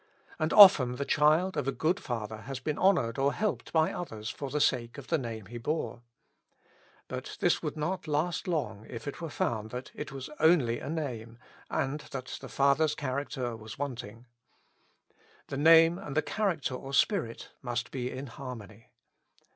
And often the child of a good father has been honored or helped by others for the sake of the name he bore. But this would not last long if it were found that it was only a name, and that the father's character was 192 With Christ in the School of Prayer. wanting. The name and the character or spirit must be in harmony.